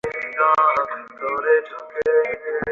কোন ভাজক টিস্যুর বিভাজনের মাধ্যমে উদ্ভিদ দৈর্ঘ্যে বৃদ্ধি পায়?